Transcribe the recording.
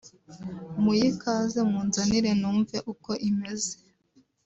muyikaze munzanire numve uko imeze